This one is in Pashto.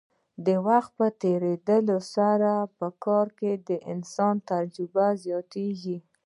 د وخت په تیریدو سره په کار کې د انسان تجربه زیاتیږي.